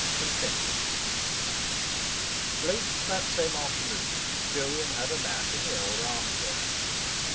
II.—CONFESSION Late that same afternoon, Jolyon had a nap in the old armchair.